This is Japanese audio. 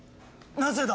なぜだ！